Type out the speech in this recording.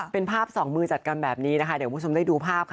เป็นภาพสองมือจัดกันแบบนี้นะคะเดี๋ยวคุณผู้ชมได้ดูภาพค่ะ